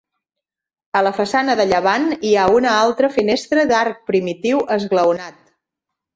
A la façana de llevant hi ha una altra finestra d'arc primitiu esglaonat.